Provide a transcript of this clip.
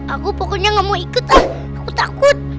aku pokoknya gak mau ikut aku takut